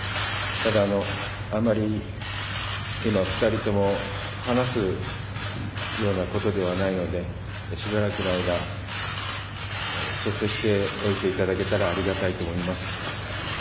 ただ、あまり今２人共話せるような状態じゃないのでしばらくの間そっとしておいていただけたらありがたいと思います。